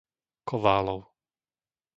Koválov